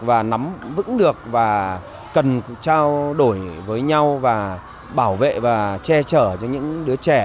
hiểu vững được và cần trao đổi với nhau và bảo vệ và che chở cho những đứa trẻ